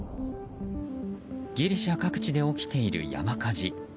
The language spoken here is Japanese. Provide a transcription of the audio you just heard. ギリシャ各地で起きている山火事。